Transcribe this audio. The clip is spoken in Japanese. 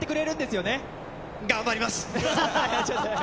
頑張ります。